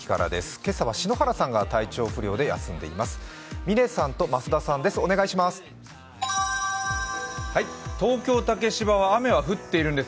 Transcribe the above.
今朝は篠原さんが体調不良で休んでいます。